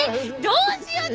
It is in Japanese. どうしよう？